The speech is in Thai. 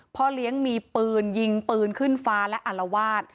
พ่อเลี้ยงมีปืนยิงปืนขึ้นฟ้าและอารวาส